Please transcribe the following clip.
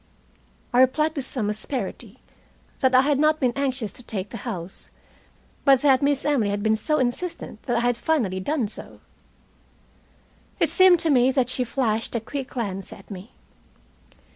I replied, with some asperity, that I had not been anxious to take the house, but that Miss Emily had been so insistent that I had finally done so. It seemed to me that she flashed a quick glance at me.